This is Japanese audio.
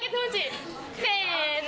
せの！